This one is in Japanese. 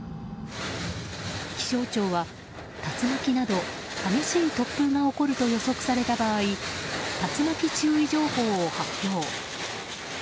気象庁は、竜巻など激しい突風が起こると予測された場合竜巻注意情報を発表。